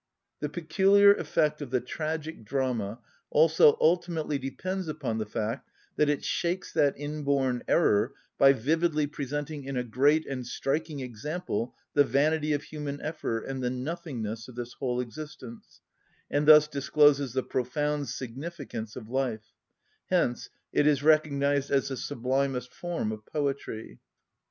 The peculiar effect of the tragic drama also ultimately depends upon the fact that it shakes that inborn error by vividly presenting in a great and striking example the vanity of human effort and the nothingness of this whole existence, and thus discloses the profound significance of life; hence it is recognised as the sublimest form of poetry.